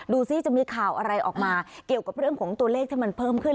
ซิจะมีข่าวอะไรออกมาเกี่ยวกับเรื่องของตัวเลขที่มันเพิ่มขึ้น